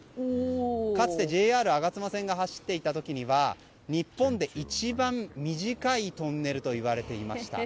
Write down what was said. かつてＪＲ吾妻線が走っていた時には日本で一番短いトンネルといわれていました。